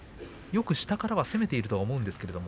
よく下からは攻めていると思うんですが。